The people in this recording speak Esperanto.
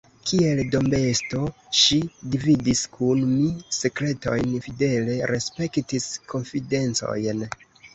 Kiel dombesto, ŝi dividis kun mi sekretojn, fidele respektis konfidencojn.